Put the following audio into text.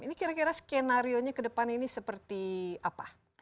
ini kira kira skenario nya ke depan ini seperti apa